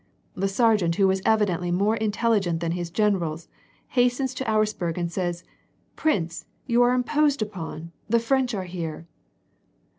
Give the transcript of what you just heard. The sergeant who was evidently more intelligent than his gen eral, hastens to Auersperg and says :' Prince, you are imposed upon, the French are here